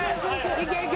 いけ！